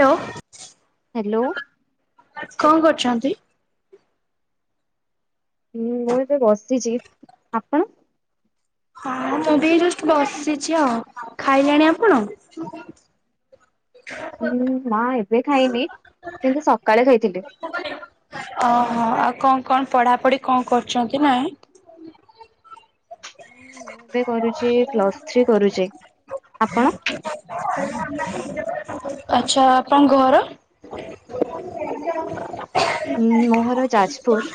Hello. Hello. କଣ କରୁଛନ୍ତି? ହୁଁ ମୁଁ ଏବେ ବସିଛି ଆପଣ? ହଁ ମୁଁବି ଏଇ ଜଷ୍ଟ ବସିଛି ଆଉ ଖାଇଲାଣି ଆପଣ? ହୁଁ ମା ଏବେ ଖାଇନି କିନ୍ତୁ ସକାଳେ ଖାଇଥିଲି। ଓହୋ ଆଉ କଣ କଣ ପଢାପଢି କଣ କରୁଛନ୍ତି ନାଇଁ? ମୁଁ ଏବେ କରୁଛି ପ୍ଲସ୍ ଥ୍ରୀ କରୁଛି ଆପଣ? ଆଛା ଆପଣ ଘର? ହୁଁ ମୋହର ଯାଜପୁର।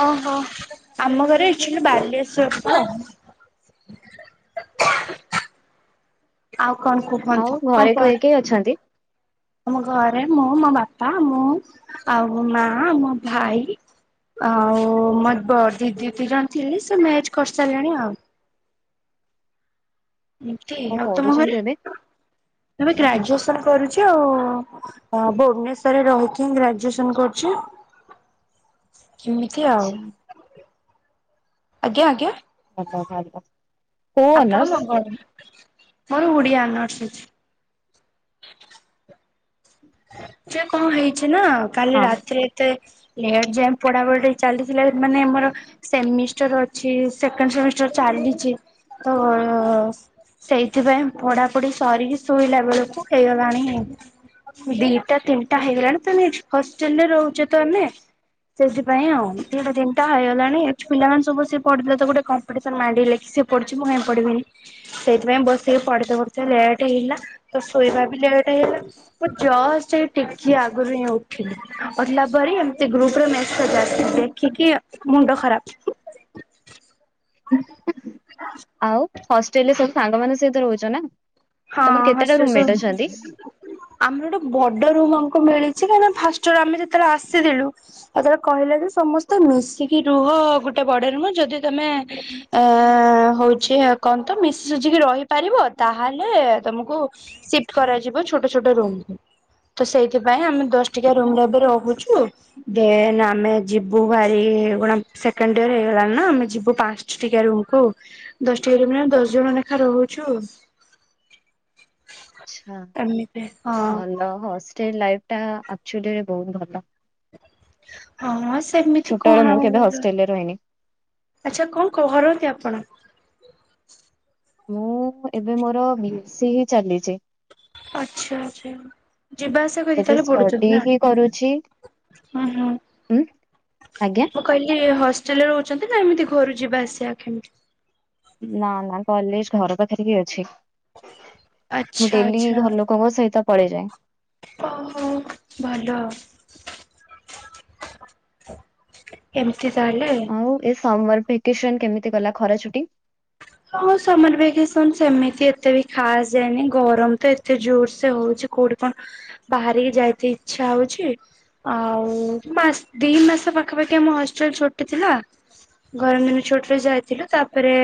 ଓହୋ ଆମ ଘରେ ଇକଚୁଆଲି ବାଲେଶ୍ଵର। ଆଉ କଣ କୁହନ୍ତୁ କଣ କୁହନ୍ତ କିଏ ଅଛନ୍ତି? ଆମ ଘରେ ମୁଁ ମୋ ବାପା ମୁଁ ଆଉ ମୋ ମା ମୋ ଭାଇ। ଆଉ ମୋ ବ ଦିଦି ଦି ଜଣ ଥିଲି ସେ ମ୍ୟାଚ କରିସାରିଲେଣି ଆଉ। ଏମତି ଆଉ ତୁମ ଘରେ ପଢୁଛନ୍ତି ଏବେ ତମେ ଗ୍ରାଜୁଏସନ କରୁଛ ଆଉ। ଅଁ ଭୁବନେଶ୍ଵରରେ ରହିକି ହିଁ ଗ୍ରାଜୁଏସନ କରୁଛି। ଏମିତି ଆଉ। ଆଛା ଆଜ୍ଞା ଆଜ୍ଞା! ଭଲ ଭଲ। କୋଉ ଆପଣ ଅନର୍ସ ମୋ [inaudible] ମୋର ଉଡିଆ ଅନର୍ସ ଅଛି। ସେ କଣ ହେଇଛି ନା କାଲି ହଁ ରାତିରେ ଏତେ ଲେଟ୍ ଯାଏ ପଢାପଢ଼ିରେ ଚାଲିଥିଲା ମାନେ ଆମର ସେମିଷ୍ଟର ଅ ଛି ସେକେଣ୍ଡ ସେମିଷ୍ଟର ଚାଲିଛି ତ ସେଇଥିପାଇଁ ପଢାପଢି ସରିକି ଶୋଇଲା ବେଳକୁ ହେଇଗଲାଣି ଦିଟା ତିନିଟା ହେଇଗଲାଣି ତ ହଷ୍ଟେଲରେ ରହୁଚୁ ତ ଆମେ। ସେଥିପାଇଁ ଆଉ। ଦିଟା ତିନିଟା ହେଇଗଲାଣି ପିଲାମାନେ ସବୁ ସିଏ ପଢିଲେ ତ ଗୋଟେ କ କମ୍ପିଟିସନ୍ ମାଇଣ୍ଡ ହେଲେ କି ସେ ପଢୁଚି ମୁଁ କାଇଁ ପଢିବିନି। ସେଇଥିପାଇଁ ବସିକି ପଢ଼ୁତେ ପଢ଼ୁତେ ଲେଟ୍ ହେଇଗଲା। ତ ଶୋଇବା ବି ଲେଟ୍ ହେଇଗଲା। ମୁଁ ଜଷ୍ଟ ଏଇ ଟିକେ ଆଗରୁ ହିଁ ଉଠିଲି। ଉଠିଲା ପରେ ଏମତି ଗ୍ରୁପରେ ମେସେଜ୍ ଆସିଚି ଦେଖିକି ମୁଣ୍ଡ ଖରାପ। [inaudible] ଆଉ ହଷ୍ଟେଲ ରେ ସବୁ ସାଙ୍ଗ ମାନଙ୍କ ସହିତ ରହୁଚ ନା? ହଁ ତମର କେତେଟା ହଷ୍ଟେଲ ସ ରୁମମେଟ ଅଛନ୍ତି ଆମର ଗୋଟେ ବଡ ରୁମ୍ ଆମକୁ ମିଳିଚି କାହିଁକି ଫାଷ୍ଟଇଅର ଆମେ ଯେତେବେଳେ ଆସିଥିଲୁ ଆଉ ତରେ କହିଲେ ଯେ ସମସ୍ତେ ମିଶିକି ରୁହ ଗୋଟେ ବଡ ରୁମ୍ ଯଦି ତମେ ଏ ହଉଚି କଣ ତ ମିଶିକି ସୁଜିକି ରହିପାରିବ ତାହେଲେ ଲେ ତମକୁ ସିଫ୍ଟ କରାଯିବ ଛୋଟ ଛୋଟ ରୁମକୁ। ତ ସେଇଥିପାଇଁ ଆମେ ଦଶ ଟିକିଆ ରୁମ୍ ରେ ଏବେ ରହୁଚୁ। ଦେନ୍ ଆମେ ଯିବୁ ଭାରି କଣ ସେକେଣ୍ଡ ଇୟର ହେଇଗଲାଣି ନା, ଆମେ ଯିବୁ ପା ଞ୍ଚ ଟିକିଆ ରୁମ୍ କୁ। ଦଶ ଟିକିଆ ରୁମ୍ ରେ ଆମେ ଦଶ ଜଣ ଲେଖା ରହୁଚୁ। ଆଚ୍ଛା। ଏମିତି ହଁ। ଭଲ ହଷ୍ଟେଲ୍ ଲାଇଫ୍ ଟା ଆକଚୁଆଲି ରେ ବହୁତ୍ ଭଲ। ହଁ ସେମିତି ଛୋଟବେଳେ କଣ ମୁଁ ଆଉ କେବେ ଭଲ। ହଷ୍ଟେଲରେ ରହିନି ଆଚ୍ଛା କଣ କରନ୍ତି ଆପଣ? ମୁଁ ଏବେ ମୋର ବି ଏ ସି ଚାଲିଚି। ଆଚ୍ଛା ଆଚ୍ଛା। ଯିବା ଆସିବା କରିକି ଏବେ ତାହେଲେ ପଢୁଚ ଷ୍ଟଡି ନା? ହିଁ କରୁଛି ହୁଁ ହୁଁ ଉଁ ଆଜ୍ଞା? ମୁଁ କହିଲି ହଷ୍ଟେଲରେ ରହୁଛନ୍ତି ନା ଏମିତି ଘରୁ ଯିବା ଆସିବା କେମିତି? ନା ନା କଲେଜ୍ ଘର ପାଖରେ ହିଁ ଅଛି। ମୁଁ ଆଚ୍ଛା ଡେଲି ଆଚ୍ଛା ଘର ଲୋ ଲୋକଙ୍କ ସହିତ ପଳେଇଯାଏ। ଓହୋ ଭଲ। ଏମତି ତାହେଲେ। ଆଉ ଏ ସମର୍ ଭିକେସନ କେମିତି ଗଲା ଖରା ଛୁଟି? ହଁ ହଁ ସମର ଭେକେସନ ସେମିତି ଏତେ ବି ଖାସ ଯାଇନି। ଗରମ ତ ଏ ଏତେ ଜୋର ସେ ହଉଚି କୋଉଠି କଣ ବାହାରିକି ଯାଇତେ ଇଚ୍ଛା ହଉଚି। ଆଉ ମାସ୍ ଦି ମାସ ପାଖାପାଖି ଆମ ହଷ୍ଟେଲ ଛୁଟି ଥିଲା। ଗରମ ଦିନ ଛୁଟି ରେ ଯାଇଥିଲୁ। ତାପରେ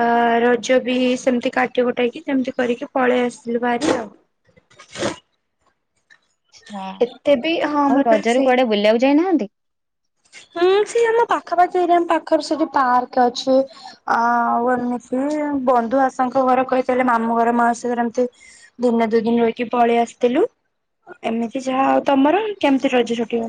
ଆ ରଜ ବି ସେମିତି କାଟି କୁଟାକି ସେମିତି କରିକି ପଳେଇ ଆସିଲୁ ଭାରି ଆଉ। ହଁ। ଏତେ ବି ହଁ ଆମର ଆଉ ତ ରଜରେ ସେଇ କୁଆଡେ ବୁଲିବାକୁ ଯାଇନାହାନ୍ତି? ହୁଁ ସେ ଆମ ପାଖାପାଖି ଏରିଆ ଆମ ପାଖରେ ସେଠି ପାର୍କ ଅଛି। ଆ ଆଉ ଏମିତି ବନ୍ଧୁ ଆସାଙ୍କ ଘର କହିଲେ ମାମୁଁ ଘର ମାଉସି ଘର ଏମତି ଦିନେ ଦୁଇ ଦିନ ରହିକି ପଳେଇ ଆସିଥିଲୁ। ଏମିତି ଯାହା ଆଉ। ତମର କେମିତି ରଜ ଛୁଟି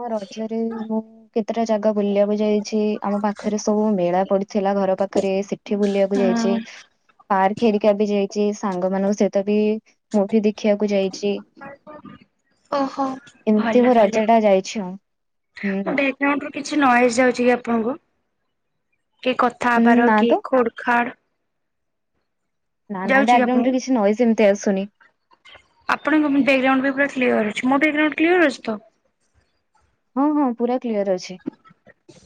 ହଁ ରଜରେ ମୁଁ କେତେଟା ଜାଗା ବୁଲିବାକୁ ଯାଇଚି, ଆମ ପାଖରେ ସବୁ ମେଳା ପଡିଥିଲା ଘର ପାଖରେ ସେଠି ବୁଲିବାକୁ ଯାଇଚି। ହୁଁ ପାର୍କ ହେରିକା ବି ଯାଇଚି, ସାଙ୍ଗ ମାନଙ୍କ ସହିତ ବି ମୁଭି ଦେଖିବାକୁ ଯାଇଚି। ଓହୋ ଭଲ ଏମତି ମୋ ତାହେଲେ। ରଜ ଟା ଯାଇଚି ଆଉ। ହୁଁ ହୁଁ। [unintelligible] କିଛି ନଏଜ୍ ଯାଉଚି କି ଆପଣଙ୍କୁ? କି କଥା ହୁଁ ହବାର ନା କି ତ ଖୋଡ୍ ଖାଡ୍? ନା ନା ଯାଉଛି କି ଆପଣ ବ୍ୟାଗଗ୍ରାଉଣ୍ଡରେ କିଛି ନଏଜ୍ ଏମିତି ଆସୁନି। ଆପଣଙ୍କ ବ୍ୟାଗଗ୍ରାଉଣ୍ଡ ବି ପୁରା କ୍ଲିଅର ଅଛି। ମୋ ବ୍ୟାଗଗ୍ରାଉଣ୍ଡ କ୍ଲିୟର ଅଛି ତ? ହଁ ହଁ ପୁରା କ୍ଲିୟର ଅଛି।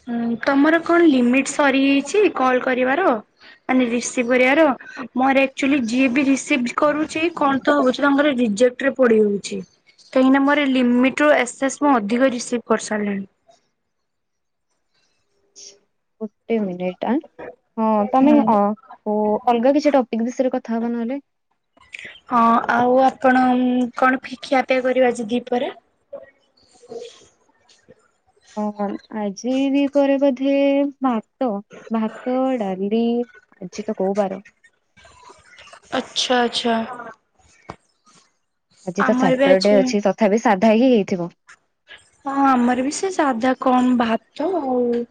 ହୁଁ ତମର କଣ ଲିମିଟ ସରି ହୋଇଛି କଲ୍ କରିବାର। ମାନେ ରିସିଭ କରିବାର ମୋର ଆକ୍ଚୁଲି ଯିଏ ବି ରିସିଭ କରୁଛି କଣ ତ ହଉଛି ତାଙ୍କର ରିଜେକ୍ଟ ପଡିଯାଉଛି କାହିଁକିନା ମୋର ଲିମିଟ ରୁ ଏକ୍ସେସ ମୁଁ ଅଧିକ ରିସିଭ କରିସାରିଲିଣି। ଗୋଟେ ମିନିଟ ଆ ହଁ ତମେ ହୁଁ। ଅ ଓ ଅଲଗା କିଛି ଟପିକ୍ ବିଷୟରେ କଥା ହବା ନହେଲେ ହଁ ଆଉ ଆପଣ କଣ ଖିଆପିଆ କରିବେ ଆଜି ଦି ପହରେ। ହଁ [inaudible] ହଁ ଆଜି ଦିପହରେ ବୋଧେ ହଁ ତ ଭାତ ଡାଲି ଆଜି ତ କୋଉ ବାର ଆଚ୍ଛା ଆଚ୍ଛା ଆଜି ତ ଆମର ବି ସଟରଡେ ଆଜି ଅଛି ତଥାପି ସାଧା ହିଁ ହେଇଥିବ। ହଁ ଆମର ବି ସେ ସାଧା କଣ ଭାତ ଆଉ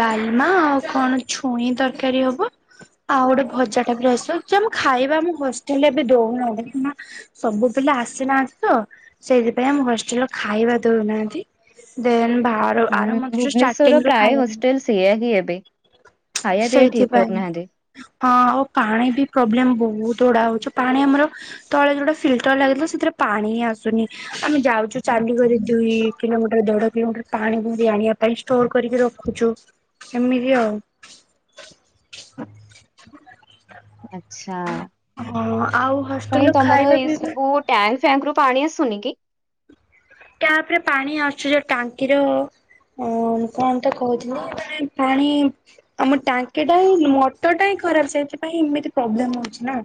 ଡାଲମା ଆଉ କଣ ଛୁଇଁ ତରକାରୀ ହବ। ଆଉ ଗୋଟେ ଭଜା ଟା ବି ଆସିବ ଆକଚୁଆଲି ଆମ ଖାଇବା ଆମ ହଷ୍ଟେଲରେ ଏବେ ଦଉନାହାନ୍ତି। ସବୁ ପିଲା ଆସିନାହାନ୍ତି ତ ସେଇଥିପାଇଁ ଆମ ହଷ୍ଟେଲରେ ଖାଇବା ଦଉନାହାନ୍ତି ଦେନ୍ ଭା ହୁଁ ଭୁବନେଶ୍ଵରର ପ୍ରାୟ ହଷ୍ଟେଲ ସେଇଆହିଁ ଏବେ। ଖାଇବା ପିଇବା ଠିକ ସେଇଥିପାଇଁ କରୁନାହାନ୍ତି ହଁ ଆଉ ପାଣି ବି ପ୍ରୋବ୍ଲେମ ବହୁତ ଗୁଡା ହଉଛି ପାଣି ଆମର ତଳେ ଯୋଉଟା ଫିଲ୍ଟର ଲାଗିଥିଲା ସେଥିରେ ପାଣି ହିଁ ଆସୁନି ଆମେ ଯାଉଛୁ ଚାଲିିକରି ଦୁଇ କିଲୋମିଟର ଦେଢ କିଲୋମିଟର ପାଣି ଭରି ଆଣିବା ପାଇଁ। ଷ୍ଟୋର କରିକି ରଖୁଛୁ ଏମିତି ଆଉ ଆଛା ହଁ ଆଉ କାଇଁ ହଷ୍ଟେଲର ତମର ଖାଇବା ଏ ପିଇବା ସବୁ। ଟ୍ୟାଙ୍କ ଫ୍ୟାଙ୍କ ରୁ ପାଣି ଆସୁନି କି? ଟ୍ୟାପ ରେ ପାଣି ଆସୁଛି ଯେ ଟାଙ୍କିର ହ କଣତ କହୁଥିଲ ପାଣି ଆମ ଟାଙ୍କିଟାହିଁ ମଟରଟା ହିଁ ଖରାପ ସେଇଥିପାଇଁ ଏମିତି ପ୍ରୋବ୍ଲେମ ହଉଛି ନା।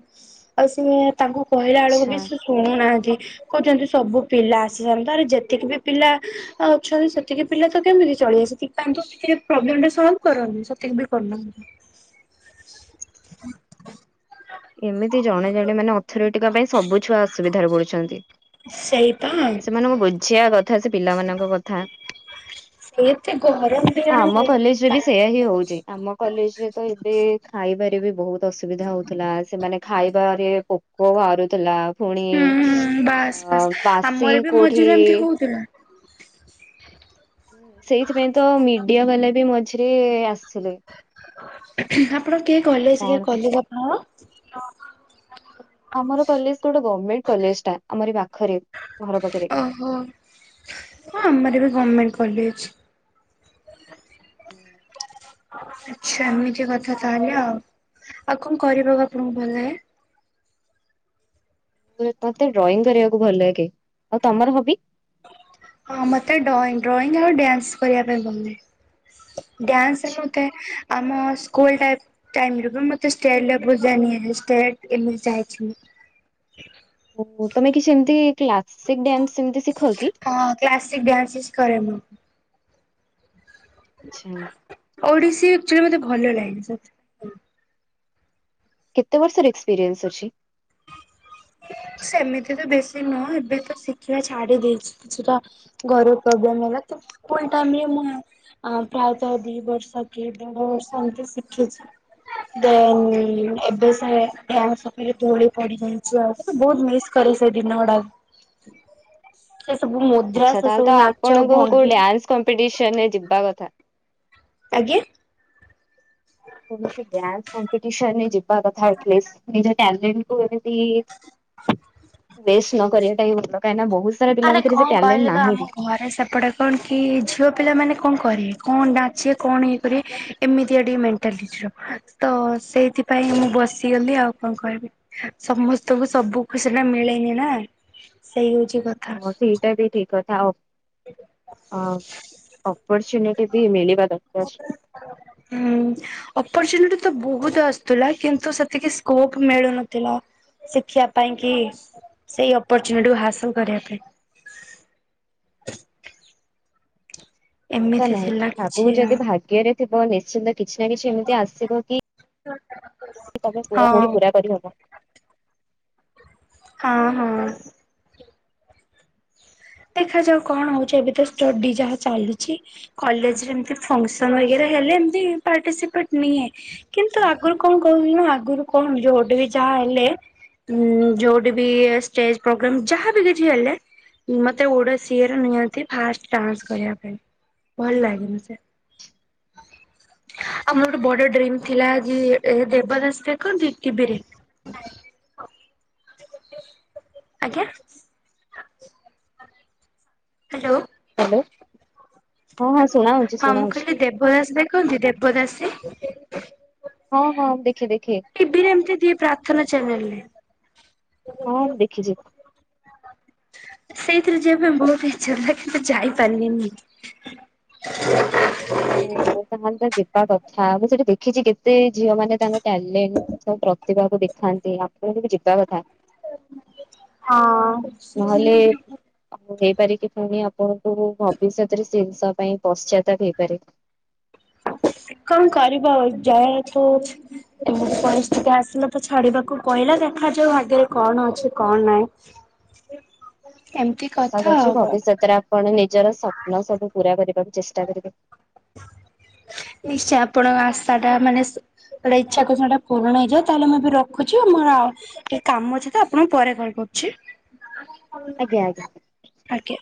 ଆଉ ସିଏ ତାଙ୍କୁ କହିଲା ବେଳକୁ ଆଚ୍ଛା ବି ସେ ଶୁଣୁନାହାନ୍ତି କହୁଛନ୍ତି ସବୁ ପିଲା ଆସିନାହାନ୍ତି। ତାପରେ ଯେତିକି ବି ପିଲା ଆଉ ଅଛନ୍ତି ସେତିକି ପିଲା ତ କେମିତି ଚଳିବେ ସେଥିପାଇଁ ତ ସେତିକି ପ୍ରୋବ୍ଲେମ ଟା ସଲ୍ଭ କରନ୍ତିି ସେତିକି ବି କରୁନାହାନ୍ତି। [inaudible] ଏମିତି ଜଣେ ଜଣେ ମାନେ ଅଥରିଟିଙ୍କ ପାଇଁ ସବୁ ଛୁଆ ଅସୁବିଧାରେ ପଡିଛନ୍ତି। ସେଇପା ସେମାନଙ୍କୁ ବୁଝିବା କଥା ସେ ପିଲାମାନଙ୍କ କଥା ସିଏ ଏତେ ଗରମ ବି ଇଆଡ଼େ ଆମ କଲେଜରେ ବି ହଉଛି। ସେଇୟା ହଉଛି ଆମ କଲେଜରେ ତ ଏବେ ଖାଇବାରେ ବି ବହୁତ ଅସୁବିଧା ହଉଥିଲା ସେମାନେ ଖାଇବାରେ ପୋକ ବାହାରୁଥିଲା। ପୁଣି ହୁଁ ବାସ୍ ଅ ବାସ୍ ବାସି ଆମର ବି କୋଉଠି ମଝିରେ ଏମିତି ହଉଥିଲା। ସେଇଥିପାଇଁ ତ ମିଡିଆ ବାଲା ବି ମଝିରେ ଆସିଥିଲେ। ଆପଣ କିଏ କଲେଜରେ କଣ କହିବ। ଆମର କଲେଜ ଗୋଟେ ଗଭର୍ଣମେଣ୍ଟ କଲେଜ ଟା ଆମର ପାଖରେ ଘର ପାଖରେ। ଓହୋ ହଁ ଆମର ଏବେ ଗଭର୍ଣ୍ଣମେଣ୍ଟ କଲେଜ। ଆଚ୍ଛା ଏମିତି କଥା ତାହଲେ ଆଉ ଆଉ କଣ କରିବାକୁ ଆପଣଙ୍କୁ ଭଲଲାଗେ। ମତେ ଡ୍ରଇଂ କରିବାକୁ ଭଲ ଲାଗେ ଆଉ ତମର ହବି। ହଁ ମତେ ଡ୍ରଇଂ ଡ୍ରଇଂ ଆଉ ଡ୍ୟାନ୍ସ କରିବା ପାଇଁ ଭଲ ଲାଗେ। ଡ୍ୟାନ୍ସ ରେ ମୋତେ ଆମ ସ୍କୁଲ ଟାଇ ଟାଇମ୍ ରୁ ବି ମତେ ଷ୍ଟେଟ ଲେବୁଲ ଯାଏଁ ନିଆହେଇ ଷ୍ଟେଟ ଏମି ଯାଇଛି ମୁଁ। ଓହୋ ତମେ କିଛି ଏମତି କ୍ଲାସିକ୍ ଡ୍ୟାନ୍ସ ସେମତି ଶିଖ କି? ହଁ କ୍ଲାସିକ୍ ଡ୍ୟାନ୍ସେସ୍ କରେ ମୁଁ। ଚ୍ଛା। ଓଡ଼ିଶୀ ଆକ୍ଚୁଲି ମତେ ଭଲ ଲା ସେଥ୍ କେତେ ବର୍ଷର ଏକ୍ସପିରିଏନ୍ସ ଅଛି? ସେମିତି ତ ବେଶୀ ନୁହଁ ଏବେ ତ ଶିଖିବା ଛାଡ଼ି ଦେଇଛି କିଛି ଟା ଘରୁ ପ୍ରୋବ୍ଲେମ୍ ହେଲା ତ ଫୁଲ୍ ଟାଇମ୍ ରେ ମୁଁ ୟା ଅଁ ପ୍ରାୟତଃ ଦି ବର୍ଷ କି ଦେଢ଼ ବର୍ଷ ଏମତି ଶିଖିଚି। ଦେନ୍ ଏବେ ସେ ଡ୍ୟାନ୍ସ ସଫେଇରେ ତୁଳି ପଡ଼ିରହି ଛୁଆ ତତେ ବହୁତ ମିସ୍ କରି ସେଇ ଦିନ ଉଡ଼ା। ସେ ସବୁ ମୋ ଆଚ୍ଛା ତାହେଲେ ତ ଆପଣଙ୍କୁ କୋଉ ଡ୍ୟାନ୍ସ କମ୍ପିଟିସନ୍ ରେ ଯିବା କଥା। ଆଜ୍ଞା? ହ କୌଣସି ଡ୍ୟାନ୍ସ କମ୍ପିଟିସନ୍ ରେ ଯିବା କଥା ଆଟଲିସ୍ ନିଜ ଟ୍ୟାଲେଣ୍ଟ୍ କୁ ଏବେ ଇ ଉଏସ୍ ନ କରିବାଟା ହି ଭଲ କାହିଁ ନା ବହୁ ଆରେ କଁ କହିଲୁ ତ ଆମ ଘରେ ସେପଟେ କଣ କି ଝିଅ ପିଲାମାନେ କଣ କରିବେ କଣଟା ଅଛି ଏ କଣ ଇଏ କରିଏ ଏମିତିଆ ଟିକେ ମେଣ୍ଟାଲିଟିର। ତ ସେଇଥିପାଇଁ ମୁଁ ବସିଗଲି ଆଉ କଁ କହିବି? ସମସ୍ତଙ୍କୁ ସବୁ ଖୁସିଟା ମିଳେନି ନା ସେଇ ହଉଚି କ ହଁ ସେଇଟା ବି ଠିକ୍ କଥା ଅ ଅ ଅପର୍ଚୁନି ଟି ବି ମିଳିିବା ଦକାର। ହୁଁ। ଅପର୍ଚୁନିଟି ତ ବୋହୁତ ଆସଥୁଲା କିନ୍ତୁ ସେତିକି ସ୍କୋପ୍ ମିଳୁନଥିଲା। ଶିଖିବା ପାଇଁ କି ସେଇ ଅପରଚୁନିଟିକୁ ହାସଲ କରିବା ପାଇଁ ତ ଏମିତି ଥିଲା ନାହିଁ ଆପୁ କିଛି ଯଦି ଭାଗ୍ୟରେ ଥିବ ନିଶ୍ଚିନ୍ତ କିଛି ନା କିଛି ଏମିତି ଆସିବ କି ତମେ ପୁରା ଆଉ ପୁଣି ପୁରା କରିହବ। ହଁ ହଁ। ଦେଖାଯାଉ କଣ ହଉଚି ଏବେ ତ ଷ୍ଟଡି ଯାହା ଚାଲୁଚି। କଲେଜରେ ଏମତି ଫଂସନ ହଇକାରେ ହେଲେ ଏମତି ପାର୍ଟିସିପେଟ ନିଏ। କିନ୍ତୁ ଆଗୁରୁ କଣ କହୁଥୁ ଉଁ ଆଗୁରୁ କଣ ଯୋଉଠି ବି ଯାହା ହେଲେ ଉଁ ଯୋଉଠି ବି ଷ୍ଟେଜ ପ୍ରୋଗ୍ରମ୍ ଯାହା ବି କିଛି ହେଲେ ଉ ମତେ ଓଡ଼ଶୀର ନିଅନ୍ତି ଫାଷ୍ଟ ଡ୍ୟାନ୍ସ କରିବା ପାଇଁ। ଭଲ ଲାଗେନା ସେ। ଆଉ ମୋର ଗୋଟେ ବଡ଼ ଡ୍ରିମ ଥିଲା ଜି ଏ ଦେବଦାସ ଦେଖନ୍ତି ଟି ବି ରେ? ଆଜ୍ଞା? ହାଲୋ ହ୍ୟାଲୋ ହଁ ଶୁଣା ହଉଛି ହଁ ଶୁଣା ମୁଁ ହଉଛି କହିଲି ଦେବ ଦାସ ଦେ କନ୍ତି ଦେବଦାସେ? ହଁ ହଁ ଦେଖେ ଦେଖେ। ଟି ଭି ରେ ଏମତି ଦିଏ ପ୍ରାର୍ଥନା ଚ୍ୟାନେଲରେ। ହଁ ମୁଁ ଦେଖିଚି। ସେଇଥିରେ ଯିବା ପାଇଁ ବହୁତ ଇଚ୍ଛା ଥାଏ କିନ୍ତୁ ଯାଇପାନିନି। [inaudible] ଓହୋ ତାହେଲେ ତ ଯିବା କଥା ମୁଁ ସେଠି ଦେଖିଚି କେତେ ଝିଅମାନେ ତାଙ୍କ ଟ୍ୟାଲେନ୍ ସବୁ ପ୍ରତିଭାକୁ ଦେଖାନ୍ତି ଆପଣଙ୍କୁ ବି ଯିବା କଥା। ହଁ। ଆଉ ହେଇପାରେ କିି ପୁଣି ଆପଣଙ୍କୁ ଭବିଷ୍ୟତରେ ଶୀନସ୍ ପାଇଁ ପଶ୍ଚାତାପ ହେଇପାରେ। କଣ କରିବ ଆଉ ଜଏଣ୍ଟ ସୁପସ୍ [unintelligible] ପରିସ୍ଥିତି ଆସିଲା ତ ଛାଡିବାକୁ କଇଲା ଦେଖାଯାଉ ଭାଗ୍ୟରେ କଣ ଅଛି କଣ ନାହିଁ। [inaudible] ଏମିତି ଆଶା କଥା କରୁଛି ଆଉ ଭବିଷ୍ୟତରେ ଆପଣ ନିଜର ସ୍ୱପ୍ନ ସବୁ ପୁରା କରିବାକୁ ଚେଷ୍ଟା କରିବେ। ନିଶ୍ଚୟ ଆପଣଙ୍କ ଆଶା ଟା ମାନେ ସୁ ଯେଟା ଇଚ୍ଛା କରିଛନ୍ତି ସେଟା ପୂରଣ ହେଇଯାଉ, ତାହଲେ ମୁଁ ଏବେ ରଖୁଛି ମୋର ଆଉ ଟିକେ କାମ ଅଛି ତ ଆପଣଙ୍କୁ ପରେ କଲ୍ କରୁୁଛି। ଆଜ୍ଞା ଆଜ୍ଞା। ଆଜ୍ଞା।